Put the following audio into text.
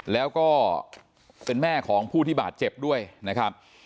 แล้วก็เป็นแม่ของผู้ที่บาดเจ็บด้วยนะครับ